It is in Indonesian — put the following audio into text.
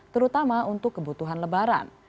terutama untuk kebutuhan lebaran